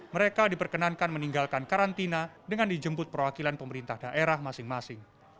mereka diperkenankan meninggalkan karantina dengan dijemput perwakilan pemerintah daerah masing masing